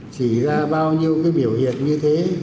chỉ ra bao nhiêu cái biểu hiện như thế